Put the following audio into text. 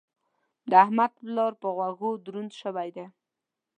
د احمد پلار په غوږو دروند شوی دی.